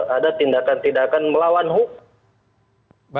ada tindakan tindakan melawan hukum